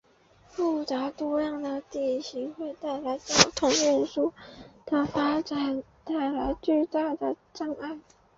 复杂多样的地形给交通运输的发展造成了巨大阻碍。